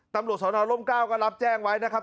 ตำรวจสวนรม๙ก็รับแจ้งไว้นะครับ